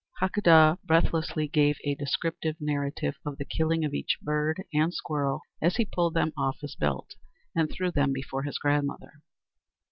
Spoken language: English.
Hakadah breathlessly gave a descriptive narrative of the killing of each bird and squirrel as he pulled them off his belt and threw them before his grandmother.